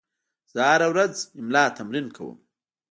زه هره ورځ املا تمرین کوم.